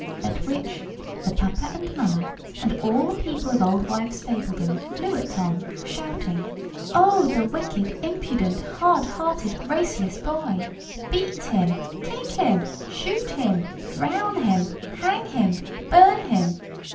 At which the papa and mamma and all the people of Oldwivesfabledom flew at Tom, shouting, "Oh, the wicked, impudent, hard hearted, graceless boy! Beat him, kick him, shoot him, drown him, hang him, burn him!"